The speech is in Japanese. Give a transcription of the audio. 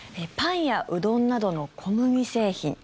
パンやうどんなどの小麦製品。